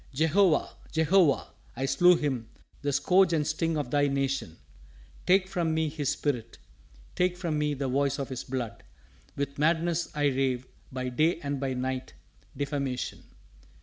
Jehovah! Jehovah! I slew him, the scourge and sting of Thy Nation. Take from me his spirit, take from me the voice of his blood. With madness I rave by day and by night, defamation!